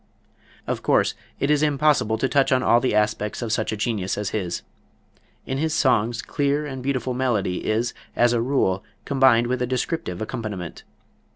Of course, it is impossible to touch on all the aspects of such a genius as his. In his songs clear and beautiful melody is, as a rule, combined with a descriptive accompaniment.